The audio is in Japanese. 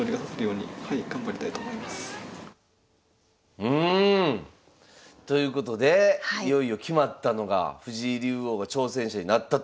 うん！ということでいよいよ決まったのが藤井竜王が挑戦者になったと。